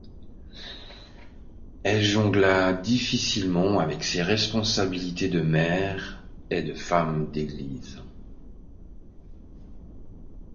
Elle jongla difficilement avec ses responsabilités de mère et de femme d'église.